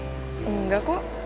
gue udah minta izin sama bokap gue